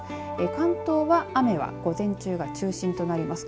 関東は雨は午前中が中心となります。